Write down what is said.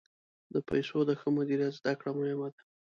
د پیسو د ښه مدیریت زده کړه مهمه ده.